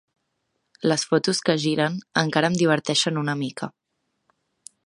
Les fotos que giren encara em diverteixen una mica.